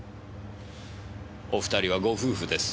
お２人はご夫婦です。